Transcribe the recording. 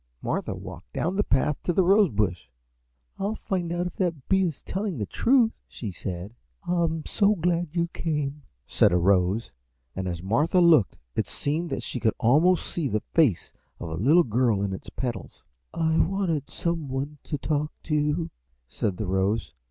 Martha walked down the path to the Rose Bush. "I'll find out if that bee is telling the truth," she said. "I am so glad you came," said a Rose, and as Martha looked it seemed that she could almost see the face of a little girl in its petals. "I wanted some one to talk to," said the Rose.